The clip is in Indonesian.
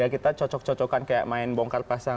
tapi kita cocok cocokan kayak main bongkar pasang baju barbie